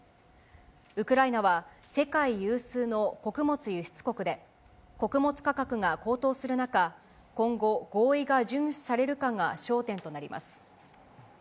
ウクライナは世界有数の穀物輸出国で、穀物価格が高騰する中、今後、合意が順守されるかが焦点となります。